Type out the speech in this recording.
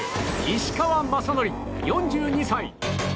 石川雅規、４２歳。